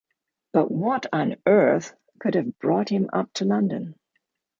But what on earth can have brought him up to London?